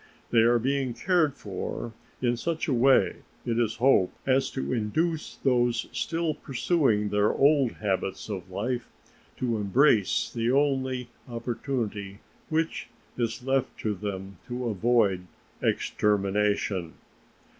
They are being cared for in such a way, it is hoped, as to induce those still pursuing their old habits of life to embrace the only opportunity which is left them to avoid extermination.